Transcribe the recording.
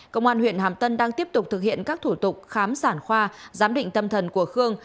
công an huyện hàm tân đang tiếp tục thực hiện các thủ tục khám sản khoa giám định tâm thần của khương